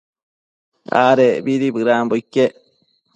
Adecbidi bëdanbo iquec